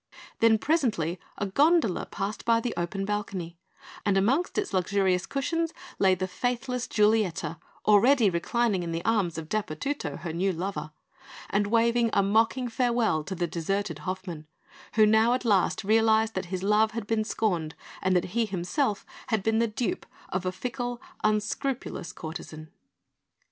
Then, presently, a gondola passed by the open balcony; and amongst its luxurious cushions lay the faithless Giulietta, already reclining in the arms of Dapurtutto, her new lover, and waving a mocking farewell to the deserted Hoffmann, who now at last realised that his love had been scorned, and that he himself had been the dupe of a fickle, unscrupulous courtesan.